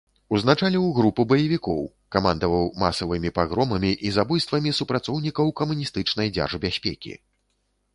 Узначаліў групу баевікоў, камандаваў масавымі пагромамі і забойствамі супрацоўнікаў камуністычнай дзяржбяспекі.